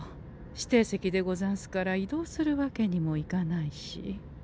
指定席でござんすから移動するわけにもいかないし。